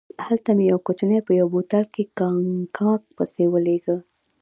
هملته مې یو کوچنی په یو بوتل کاګناک پسې ولېږه.